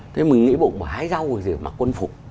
thế mình nghĩ bộng mà hai dâu gì mà quân phục